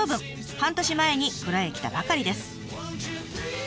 半年前に蔵へ来たばかりです。